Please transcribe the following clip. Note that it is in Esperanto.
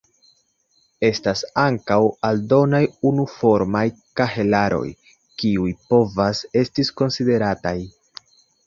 Estas ankaŭ aldonaj unuformaj kahelaroj, kiuj povas esti konsiderataj.